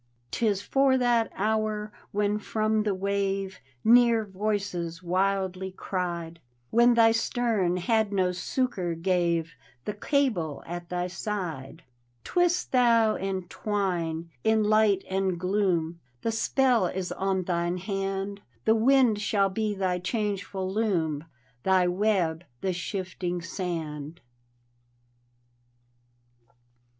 "Tis for that hour, when from the wave Near voices wildly cried; When thy stern hand no succour gave, The cable at thy side. D,gt,, erihyGOOgle The Haunted Hour Twist thou and twine 1 In light and gloom The spell is on thine hand; The wind shall be thy changeful loom. Thy web the shifting sand.